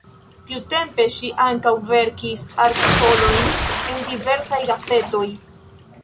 Tiutempe ŝi ankaŭ verkis artikolojn al diversaj gazetoj.